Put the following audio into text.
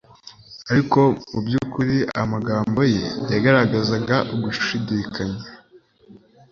ariko mu by'ukuri amagambo ye yagaragazaga ugushidikanya.